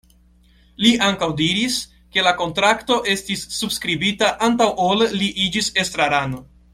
Li ankaŭ diris, ke la kontrakto estis subskribita antaŭ ol li iĝis estrarano.